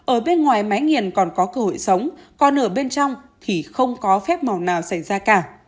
ở bên ngoài máy nghiền còn có cơ hội sống còn ở bên trong thì không có phép màu nào xảy ra cả